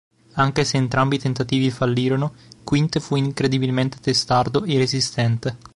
Anche se entrambi i tentativi fallirono, Quint fu incredibilmente testardo e resistente.